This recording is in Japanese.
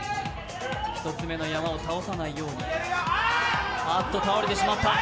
１つ目の山を倒さないようにあっと、倒れてしまった。